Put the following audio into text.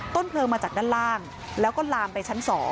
เพลิงมาจากด้านล่างแล้วก็ลามไปชั้น๒